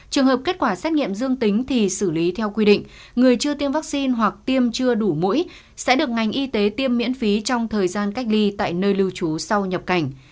trường hợp kết quả xét nghiệm dương tính thì xử lý theo quy định người chưa tiêm vaccine hoặc tiêm chưa đủ mũi sẽ được ngành y tế tiêm miễn phí trong thời gian cách ly tại nơi lưu trú sau nhập cảnh